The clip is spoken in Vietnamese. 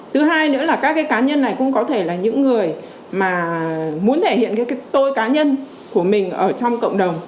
thứ hai nữa là các cái cá nhân này cũng có thể là những người mà muốn thể hiện cái tôi cá nhân của mình ở trong cộng đồng